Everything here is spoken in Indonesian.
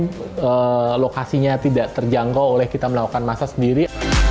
karena lokasinya tidak terjangkau oleh kita melakukan massage sendiri